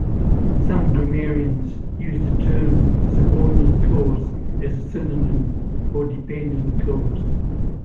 Some grammarians use the term subordinate clause as a synonym for dependent clause.